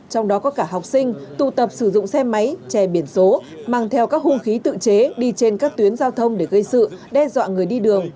trong đó có cả học sinh tụ tập sử dụng xe máy che biển số mang theo các hung khí tự chế đi trên các tuyến giao thông để gây sự đe dọa người đi đường